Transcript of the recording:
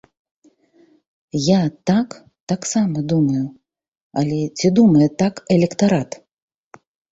Я так таксама думаю, але ці думае так электарат?